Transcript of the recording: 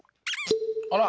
あら！